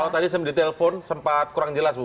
kalau tadi saya di telpon sempat kurang jelas bu